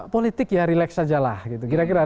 politik ya relax sajalah gitu kira kira